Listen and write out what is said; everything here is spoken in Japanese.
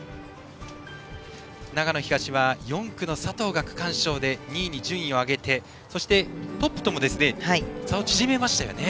長野東は４区の佐藤が区間賞で２位に順位を上げてそしてトップとも差を縮めましたよね。